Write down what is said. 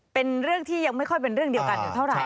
เป็นเรื่องที่ยังไม่ค่อยเป็นเรื่องเดียวกันเท่าไหร